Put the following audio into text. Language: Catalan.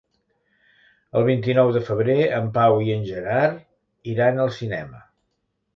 El vint-i-nou de febrer en Pau i en Gerard iran al cinema.